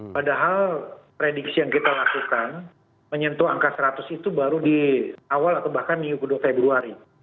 padahal prediksi yang kita lakukan menyentuh angka seratus itu baru di awal atau bahkan minggu kedua februari